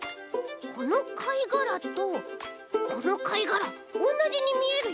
このかいがらとこのかいがらおんなじにみえるよ。